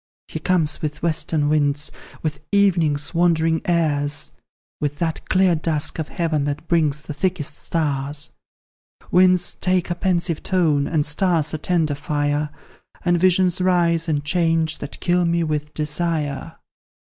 "He comes with western winds, with evening's wandering airs, With that clear dusk of heaven that brings the thickest stars. Winds take a pensive tone, and stars a tender fire, And visions rise, and change, that kill me with desire.